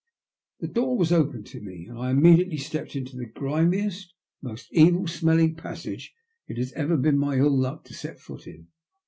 The door was opened to me, and I immediately stepped into the grimiest, most evil smelling passage it has ever been my ill luck to set foot in.